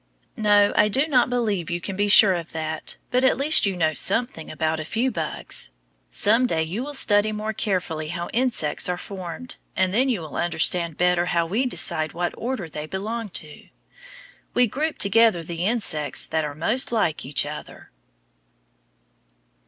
No, I do not believe you can be sure of that. But at least you know something about a few bugs. Some day you will study more carefully how insects are formed, and then you will understand better how we decide what order they belong to. We group together the insects that are most like each other.